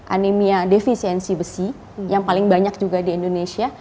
anemia defisiensi besi yang paling banyak juga di indonesia